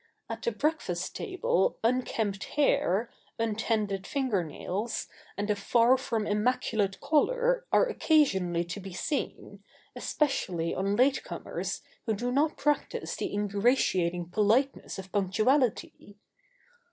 At the breakfast table unkempt hair, untended finger nails, and a far from immaculate collar are occasionally to be seen, especially on late comers who do not practise the ingratiating politeness of punctuality.